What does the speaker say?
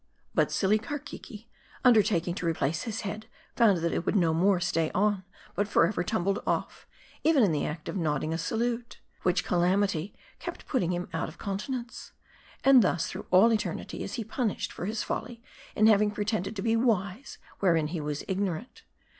But silly Karkeke undertaking to replace his head, found that it would no more stay on ; but forever tumbled off; even in the act of nodding a salute ; which calamity kept putting him out of countenance. And thus through all eternity is he punished for his folly, in having pretended to be wise, wherein he was ignorant.